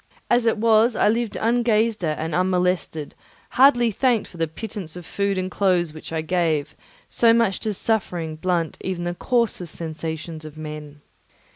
As it was, I lived ungazed at and unmolested, hardly thanked for the pittance of food and clothes which I gave, so much does suffering blunt even the coarsest sensations of men.